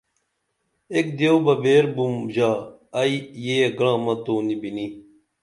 ایک دیو بہ بیر بُم ژہ ائی یہ گرامہ تو نی بِنِی